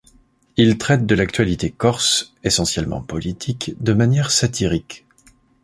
Il traite de l'actualité corse, essentiellement politique, de manière satirique.